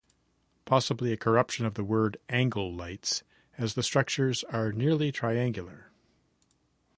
Probably a corruption of the word angle lights, as the structures are nearly triangular.